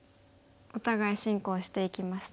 お互い進行していきますね。